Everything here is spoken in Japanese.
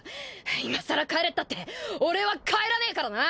いまさら帰れったって俺は帰らねえからな！